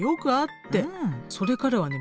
それからはね